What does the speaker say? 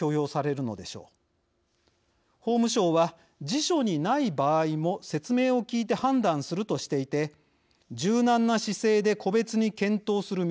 法務省は辞書にない場合も説明を聞いて判断するとしていて柔軟な姿勢で個別に検討する見通しです。